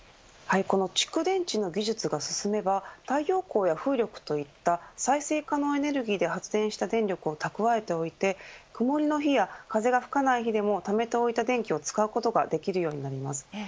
蓄電池の技術が進めば太陽光や風力といった再生可能エネルギーで発電した電力を蓄えておいて曇りの日や風が吹かない日でもためておいた電気を使うことができます。